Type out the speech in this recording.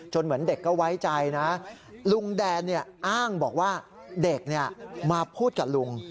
เหมือนเด็กก็ไว้ใจนะลุงแดนอ้างบอกว่าเด็กมาพูดกับลุง